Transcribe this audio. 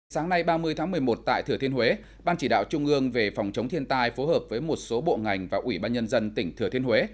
sáng nay ba mươi tháng một mươi một tại thừa thiên huế ban chỉ đạo trung ương về phòng chống thiên tai phối hợp với một số bộ ngành và ủy ban nhân dân tỉnh thừa thiên huế